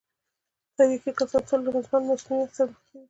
تریاکي کسان تل له مزمن مسمومیت سره مخ وي.